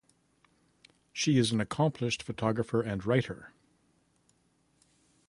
She is an accomplished photographer and writer.